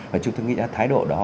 và chúng tôi nghĩ là thái độ đó